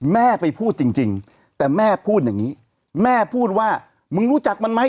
แม่ไปพูดจริงแต่แม่พูดอย่างนี้แม่พูดว่ามึงรู้จักมันไหม